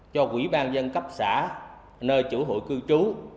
cho quỹ ban dân cấp xã nơi chủ hội cư trú